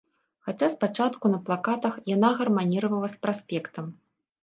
Хаця спачатку, на плакатах, яна гарманіравала з праспектам.